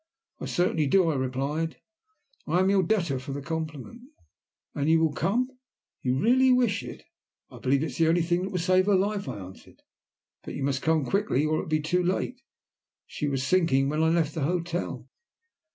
"I certainly do," I replied. "I am your debtor for the compliment." "And you will come?" "You really wish it?" "I believe it is the only thing that will save her life," I answered. "But you must come quickly, or it will be too late. She was sinking when I left the hotel."